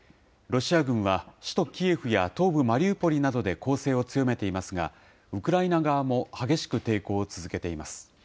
ロシア軍は、首都キエフや東部マリウポリなどで攻勢を強めていますが、ウクライナ側も激しく抵抗を続けています。